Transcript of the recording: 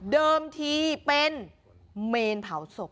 เดิมทีเป็นเมนเผาศพ